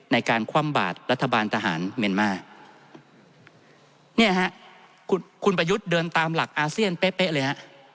ในการคว่ำบาดรัฐบาลทหารเมียนมาเนี่ยฮะคุณคุณประยุทธ์เดินตามหลักอาเซียนเป๊ะเป๊ะเลยฮะ